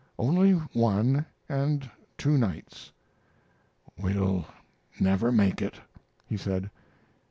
"Only one, and two nights." "We'll never make it," he said.